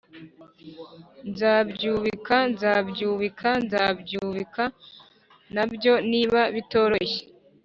Nzabyubika nzabyubika nzabyubika na byo niba bitoroshye